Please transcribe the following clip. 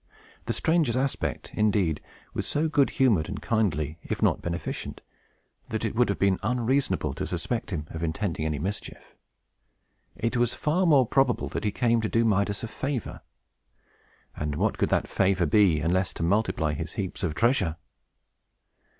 The stranger's aspect, indeed, was so good humored and kindly, if not beneficent, that it would have been unreasonable to suspect him of intending any mischief. It was far more probable that he came to do Midas a favor. And what could that favor be, unless to multiply his heaps of treasure?